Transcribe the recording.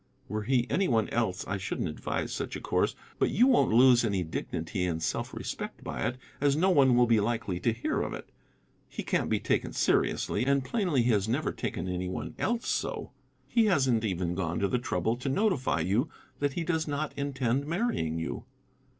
Were he any one else I shouldn't advise such a course, but you won't lose any dignity and self respect by it, as no one will be likely to hear of it. He can't be taken seriously, and plainly he has never taken any one else so. He hasn't even gone to the trouble to notify you that he does not intend marrying you."